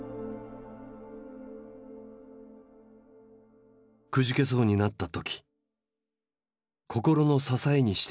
くじけそうになった時心の支えにしてきたものがある。